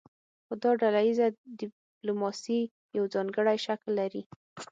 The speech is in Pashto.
خو دا ډله ایزه ډیپلوماسي یو ځانګړی شکل لري